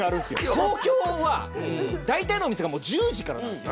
東京は大体の店が１０時からなんですよ。